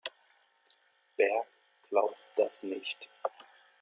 Berg glaubt das nicht.